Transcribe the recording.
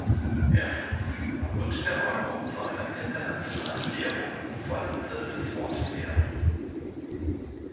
Erstens, wird der Euro zu einer internationalen Währung im vollen Sinne des Wortes werden?